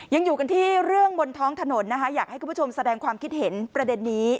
ยังอยู่กันที่เรื่องบนท้องถนนนะคะอยากให้คุณผู้ชมแสดงความคิดเห็นประเด็นนี้